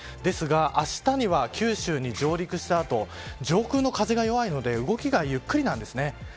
ですがあしたには九州に上陸した後上空の風が弱いので動きがゆっくりなんです。